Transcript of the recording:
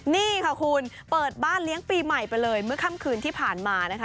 นี่ค่ะคุณเปิดบ้านเลี้ยงปีใหม่ไปเลยเมื่อค่ำคืนที่ผ่านมานะคะ